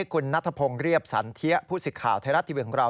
คุณนัทพงศ์เรียบสันเทียผู้สิทธิ์ข่าวไทยรัฐทีวีของเรา